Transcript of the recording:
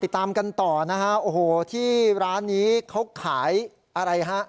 ตามกันต่อนะฮะโอ้โหที่ร้านนี้เขาขายอะไรฮะ